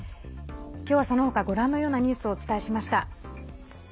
今日はそのほかご覧のようなニュースをお伝えしました。